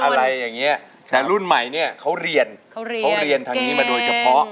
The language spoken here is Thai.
อะไรอย่างเงี้ยแต่รุ่นใหม่เนี่ยเขาเรียนเขาเรียนเขาเรียนทางนี้มาโดยเฉพาะ